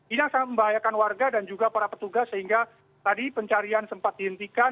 ini yang sangat membahayakan warga dan juga para petugas sehingga tadi pencarian sempat dihentikan